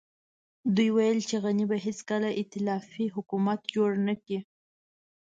دوی ويل چې غني به هېڅکله ائتلافي حکومت جوړ نه کړي.